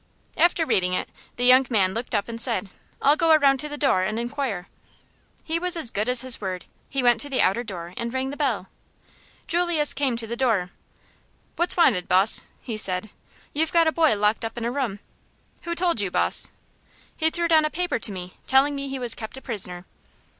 After reading it, the young man looked up and said: "I'll go around to the door and inquire." He was as good as his word. He went to the outer door and rang the bell. Julius came to the door. "What's wanted, boss?" he said. "You've got a boy locked up in a room." "Who told you, boss?" "He threw down a paper to me, telling me he was kept a prisoner."